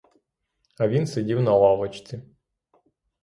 А він сидів на лавочці.